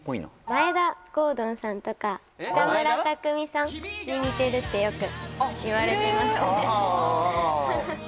眞栄田郷敦さんとか北村匠海さんに似てるってよく言われてますねああ